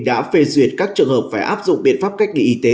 đã phê duyệt các trường hợp phải áp dụng biện pháp cách ly y tế